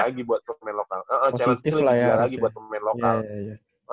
challenge nya lebih banyak lagi buat pemain lokal